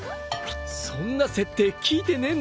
そんな設定聞いてねえんだけど。